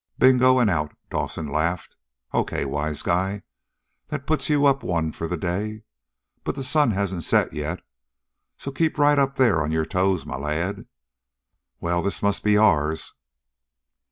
"Bingo, and out!" Dawson laughed. "Okay, wise guy! That puts you one up for the day. But the sun hasn't set yet. So keep right up there on your toes, my lad. Well, this must be ours."